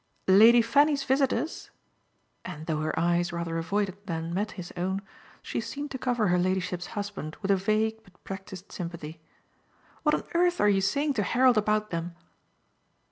"Lady Fanny's visitors?" and, though her eyes rather avoided than met his own, she seemed to cover her ladyship's husband with a vague but practised sympathy. "What on earth are you saying to Harold about them?"